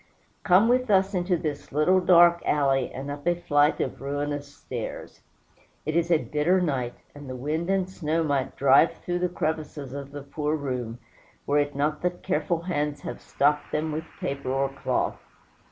Come with us into this little dark alley, and up a flight of ruinous stairs. It is a bitter night, and the wind and snow might drive through the crevices of the poor room, were it not that careful hands have stopped them with paper or cloth.